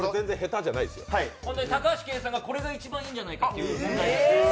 高橋啓恵さんがこれが一番いいんじゃないかっていう問題です。